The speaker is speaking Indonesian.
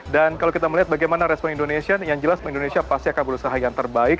dan kalau kita melihat bagaimana respon indonesia yang jelas indonesia pasti akan berusaha yang terbaik